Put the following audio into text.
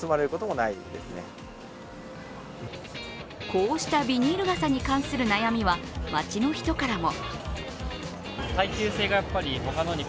こうしたビニール傘に関する悩みは街の人からも。